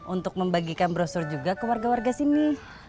untuk membagikan brosur juga ke warga warga sini